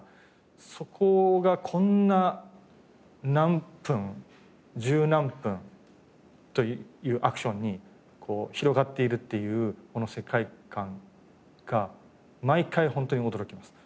そこがこんな何分十何分というアクションに広がっているっていうこの世界観が毎回ホントに驚きますね。